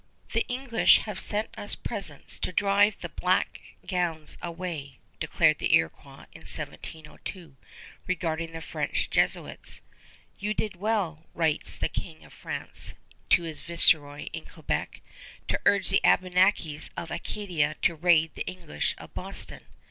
"The English have sent us presents to drive the Black Gowns away," declared the Iroquois in 1702 regarding the French Jesuits. "You did well," writes the King of France to his Viceroy in Quebec, "to urge the Abenakis of Acadia to raid the English of Boston."